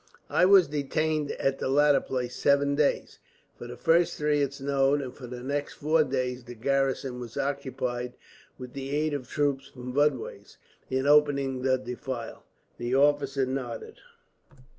"I was detained at the latter place seven days. For the first three it snowed, and for the next four days the garrison was occupied, with the aid of troops from Budweis, in opening the defile." The officer nodded.